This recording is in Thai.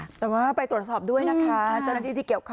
แต่ว่าไปตรวจสอบด้วยนะคะเจ้าหน้าที่ที่เกี่ยวข้อง